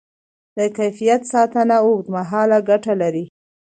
د کیفیت ساتنه اوږدمهاله ګټه لري.